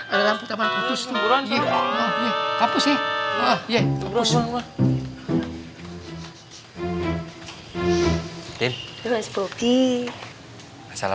ada lampu taman putus tuh